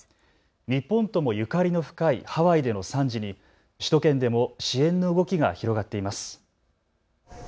日本ともゆかりの深いハワイでの惨事に首都圏でも支援の動きが広がっています。